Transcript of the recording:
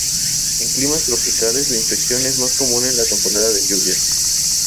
En climas tropicales, la infección es más común en la temporada de lluvias.